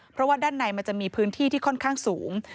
เพราะว่าด้านในมันจะมีพื้นที่ที่ค่อนข้างสูง